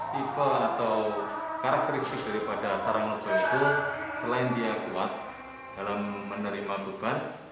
tipe atau karakteristik daripada sarang novel itu selain dia kuat dalam menerima beban